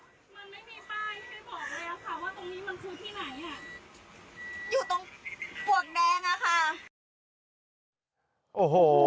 พี่ทางหนูเข้ามาในรถก่อน